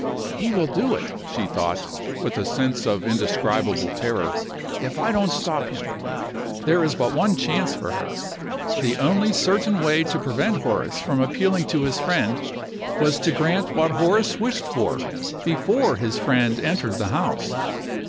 "He will do it," she thought, with a sense of indescribable terror, "if I don't stop him!" There is but one chance for her. The only certain way to prevent Horace from appealing to his friend was to grant what Horace wished for before his friend entered the house.